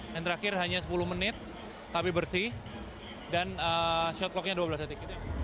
dan terakhir hanya sepuluh menit tapi bersih dan shot clock nya dua belas detik